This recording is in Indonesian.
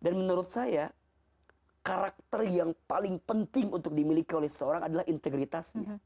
dan menurut saya karakter yang paling penting untuk dimiliki oleh seorang adalah integritasnya